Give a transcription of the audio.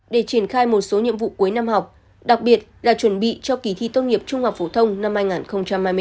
để triển khai một số nhiệm vụ cuối năm học đặc biệt là chuẩn bị cho kỳ thi tốt nghiệp trung học phổ thông năm hai nghìn hai mươi bốn